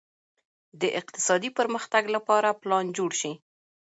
د اقتصادي پرمختګ لپاره پلان جوړ شي.